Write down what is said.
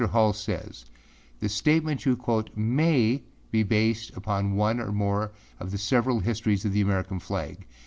Hall says, âThe statement you quote may be based upon one or more of the several histories of the American Flag.